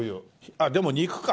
あっでも肉か。